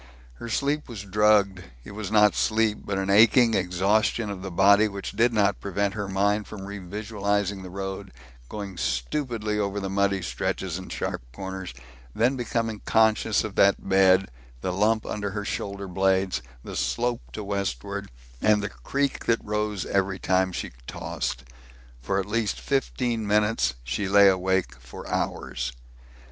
Her sleep was drugged it was not sleep, but an aching exhaustion of the body which did not prevent her mind from revisualizing the road, going stupidly over the muddy stretches and sharp corners, then becoming conscious of that bed, the lump under her shoulder blades, the slope to westward, and the creak that rose every time she tossed. For at least fifteen minutes she lay awake for hours.